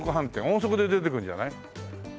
音速で出てくるんじゃない？